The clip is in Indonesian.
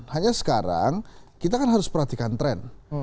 hanya sekarang kita kan harus perhatikan tren